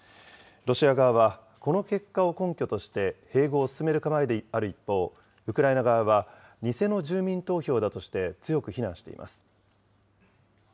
ロシア側は、この結果を根拠として、併合を進める構えである一方、ウクライナ側は、偽の住民投票だとして強く非難しています。